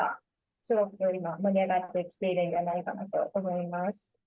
すごく今盛り上がってきてるんじゃないかなと思います。